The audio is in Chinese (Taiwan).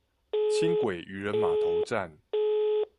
輕軌漁人碼頭站